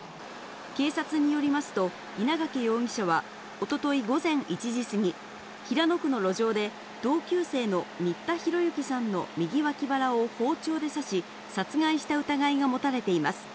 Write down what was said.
警察によりますと、稲掛容疑者はおととい午前１時過ぎ、平野区の路上で、同級生の新田浩之さんの右わき腹を包丁で刺し、殺害した疑いが持たれています。